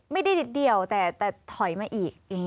ไม่ได้นิดเดียวแต่เทรดมาอีก